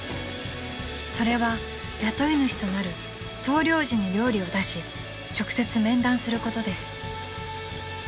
［それは雇い主となる総領事に料理を出し直接面談することです］